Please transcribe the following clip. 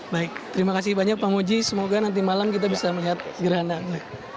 baik terima kasih banyak pak moji semoga nanti malam kita bisa melihat gerhana